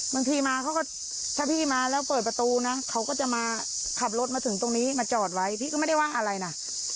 บางทีมาเขาก็ถ้าพี่มาแล้วเปิดประตูนะเขาก็จะมาขับรถมาถึงตรงนี้มาจอดไว้พี่ก็ไม่ได้ว่าอะไรนะ